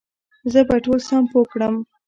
زه به ټول سم پوه کړم